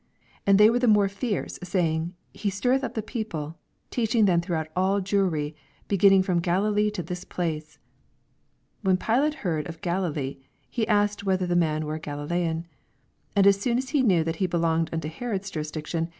5 And they were the more fierce, Baying, He stirreth up the people, teaching throughout ail Jewry, be ginning from Galilee to this place. 6 When Pihite heard of Galilee, be asked whether the man were a Galiltean, 7 And as soon as he knew that he belonged uuto Uerod's jurisdiction.